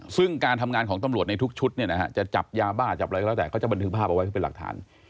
ซึ่งการทำงานของตำรวจในทุกชุดจะจับยาบ้าจับอะไรแล้วแต่เขาจะบันทึกภาพเอาไว้เป็นหลักฐาน